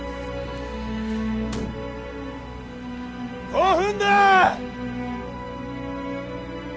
５分だ！